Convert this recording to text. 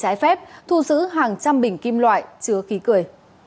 trái phép thu giữ hàng trăm bình kim loại chứa khí cười